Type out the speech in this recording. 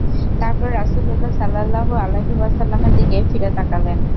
তারপর রাসূলুল্লাহ সাল্লাল্লাহু আলাইহি ওয়াসাল্লামের দিকে ফিরে তাকালেন।